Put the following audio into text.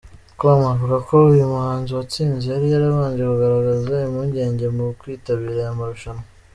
com , avuga ko uyu muhanzi watsinze yari yarabanje kugaragaza impungenge mu kwitabira aya marushanwa.